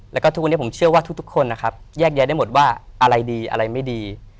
แล้วก็ทุกวันนี้ผมเชื่อว่าทุกคนนะครับแยกแยะได้หมดว่าอะไรดีอะไรไม่ดี